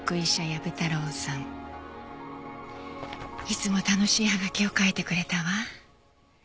いつも楽しいはがきを書いてくれたわ。